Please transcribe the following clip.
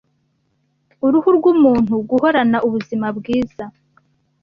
Uruhu rw’umuntu guhorana ubuzima bwiza